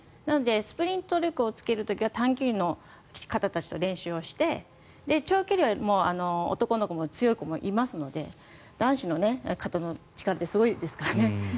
なのでスプリント力をつける時は短距離の方たちと練習をして、長距離は男の子も強い子もいますので男子の方の力ってすごいですからね。